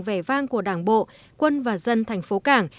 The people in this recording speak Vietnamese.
vẻ vang của đảng bộ quân và dân thành phố cảng